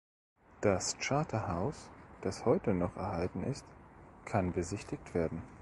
Das Carter House, das heute noch erhalten ist, kann besichtigt werden.